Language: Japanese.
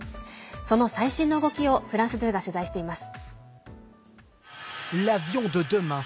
その最新の動きをフランス２が取材しています。